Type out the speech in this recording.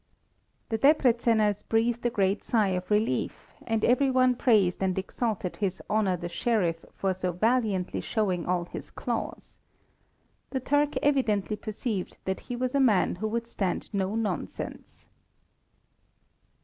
The Debreczeners breathed a great sigh of relief, and every one praised and exalted his Honour the Sheriff for so valiantly showing all his claws. The Turk evidently perceived that he was a man who would stand no nonsense.